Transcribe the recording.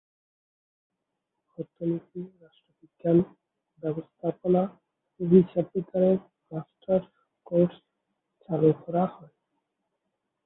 অর্থনীতি, রাষ্ট্রবিজ্ঞান, ব্যবস্থাপনা ও হিসাববিজ্ঞানে মাস্টার্স কোর্স চালু করা হয়।